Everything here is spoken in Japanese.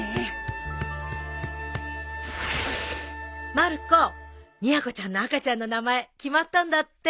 まる子みやこちゃんの赤ちゃんの名前決まったんだって。